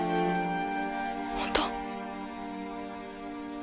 本当？